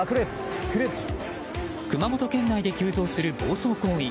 熊本県内で急増する暴走行為。